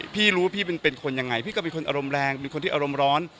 พี่รู้ว่าพี่เป็นคนยังไงพี่ก็เป็นคนอารมณ์แรงเป็นคนที่อารมณ์ร้อน